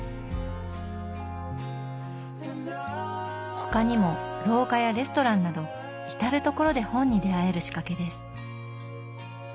他にも廊下やレストランなど至る所で本に出会える仕掛けです。